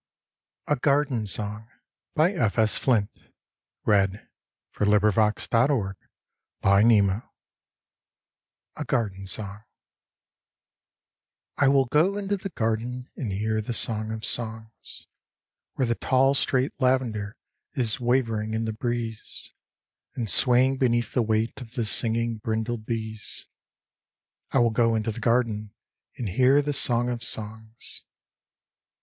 present ? Dusky red on darkening green. 66 IN THE NET OF THE STARS A Garden Song I WILL go into the garden and hear the Song of Songs, Where the tall straight lavender is wavering in the breeze, And swaying beneath the weight of the singing brindled bees, I will go into the garden and hear the Song of Songs.